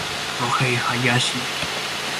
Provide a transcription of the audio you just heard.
Ryohei Hayashi